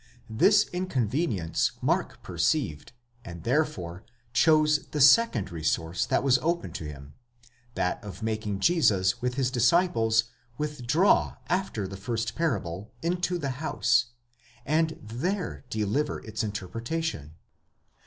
This inconvenience Mark perceived, and therefore chose the second resource that was open to him—that of making Jesus with his disciples withdraw after the first parable into the house, and there deliver its interpretation.